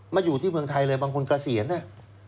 อยู่ที่เมืองไทยเลยบางคนเกษียณเนี่ย